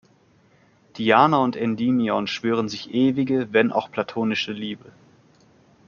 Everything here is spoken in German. Diana und Endymion schwören sich ewige, wenn auch platonische Liebe.